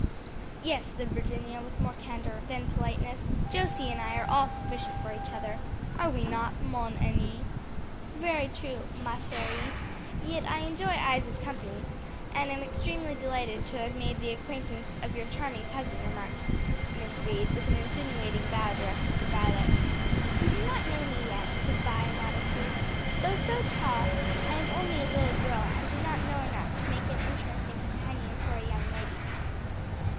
"Yes," said Virginia, with more candor than politeness, "Josie and I are all sufficient for each other; are we not, mon amie?" "Very true, machère, yet I enjoy Isa's company, and am extremely delighted to have made the acquaintance of your charming cousin," remarked Miss Reed, with an insinuating bow directed to Violet. "You do not know me yet," said Vi, modestly. "Though so tall, I am only a little girl and do not know enough to make an interesting companion for a young lady."